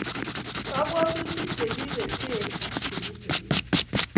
kabwotutik chekipeten ako che nyitei biik